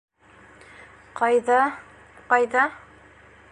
Ҡайҙа, ҡайҙа...